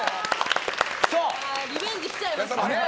リベンジに来ちゃいました。